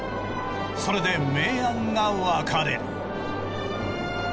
それで明暗が分かれる。